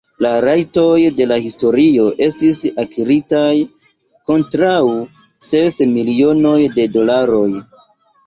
La rajtoj de la historio estis akiritaj kontraŭ ses milionoj de dolaroj.